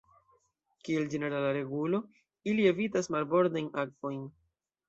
Kiel ĝenerala regulo, ili evitas marbordajn akvojn.